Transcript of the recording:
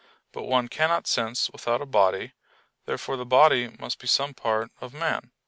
But one cannot sense without a body: therefore the body must be some part of man.